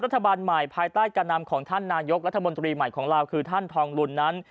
รัฐบาลใหม่ภายใต้การนำของท่านนายกรัฐมนตรีใหม่ของลาวคือท่านทองลุนนั้น